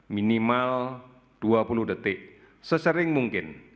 minimal dua puluh detik sesering mungkin